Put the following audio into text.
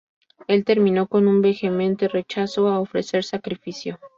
El terminó con un vehemente rechazo a ofrecer sacrificio.